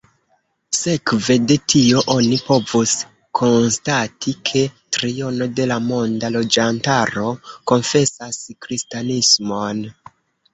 Sekve de tio oni povus konstati, ke triono de la monda loĝantaro konfesas kristanismon.